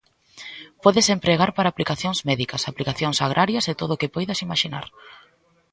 Pódese empregar para aplicacións médicas, aplicacións agrarias e todo o que poidas imaxinar.